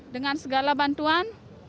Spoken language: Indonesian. dengan segala bantuan